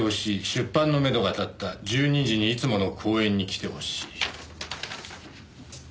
出版のめどが立った」「１２時にいつもの公園に来て欲しい」